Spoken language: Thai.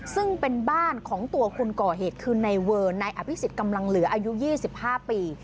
ซึ่งเป็นบ้านของตัวคุณก่อเหตุคือในเวิร์นในอภิกษิศกำลังเหลืออายุยี่สิบห้าปี